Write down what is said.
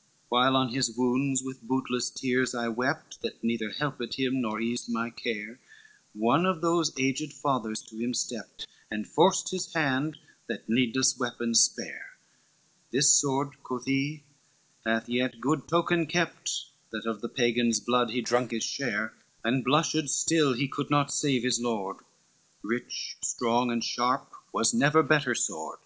XXXIV "Whilst on his wounds with bootless tears I wept, That neither helped him, nor eased my care, One of those aged fathers to him stepped, And forced his hand that needless weapon spare: 'This sword,' quoth he, 'hath yet good token kept, That of the Pagans' blood he drunk his share, And blusheth still he could not save his lord, Rich, strong and sharp, was never better sword.